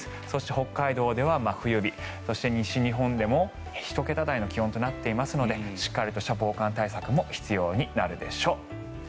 そして北海道では真冬日そして西日本でも１桁台の気温となっていますのでしっかりとした防寒対策も必要になるでしょう。